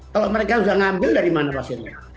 kalau mereka sudah mengambil dari mana pasirnya